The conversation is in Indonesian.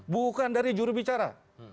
bukan dari jurubicara